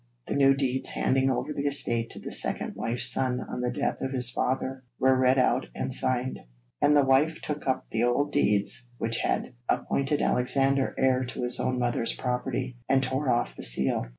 The new deeds handing over the estate to the second wife's son on the death of his father were read out and signed, and the wife took up the old deeds which had appointed Alexander heir to his own mother's property, and tore off the seal.